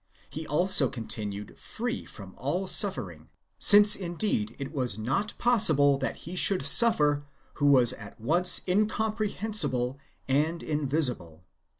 He also continued free from all suffering, since indeed it was not possible that He should suffer who was at once incomprehen sible and invisible.